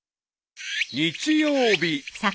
［日曜日］